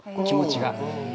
気持ちが。